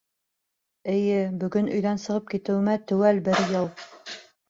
Эйе, бөгөн өйҙән сығып китеүемә теүәл бер йыл.